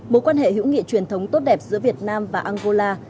mối quan hệ hữu nghị truyền thống tốt đẹp giữa việt nam và angola